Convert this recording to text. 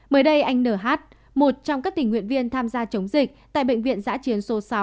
mới đây anh nh một trong các tình nguyện viên tham gia chống dịch tại bệnh viện giã chiến số sáu